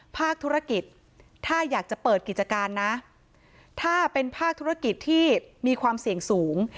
ภาคธุรกิจถ้าอยากจะเปิดกิจการนะถ้าเป็นภาคธุรกิจที่มีความเสี่ยงสูง